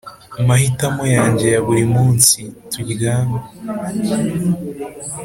mahitamo yanjye ya buri muns turyamei